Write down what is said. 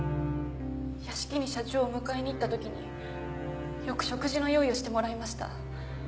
屋敷に社長をお迎えに行った時によく食事の用意をしてもらいました。